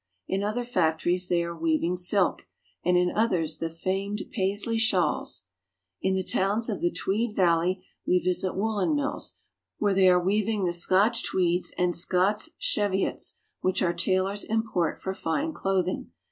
In other factories they are weaving silk, and in others the famed Paisley shawls. In the towns of the Tweed valley we visit woolen mills, where they are weaving the Scotch tweeds and Scotch cheviots which our tailors import for fine clothing.